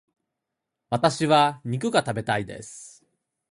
私は肉が食べたいです。